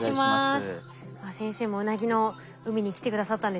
先生もウナギの海に来て下さったんですね。